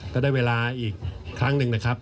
ก็ได้เวลาอีกครั้งหนึ่งนะครับ